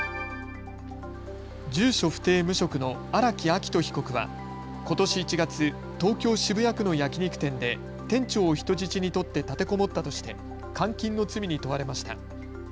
住所不定無職の荒木秋冬被告はことし１月、東京渋谷区の焼き肉店で店長を人質に取って立てこもったとして監禁の罪に問われました。